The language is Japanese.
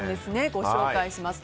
ご紹介します。